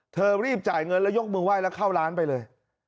รีบจ่ายเงินแล้วยกมือไห้แล้วเข้าร้านไปเลย